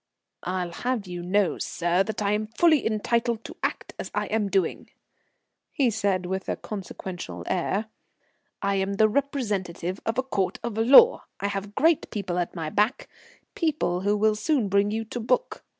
"I'll have you to know, sir, that I am fully entitled to act as I am doing," he said with a consequential air. "I am the representative of a court of law; I have great people at my back, people who will soon bring you to book.